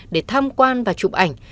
để tham quan và chụp ảnh